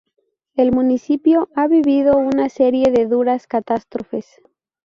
El municipio, ha vivido una serie de duras catástrofes.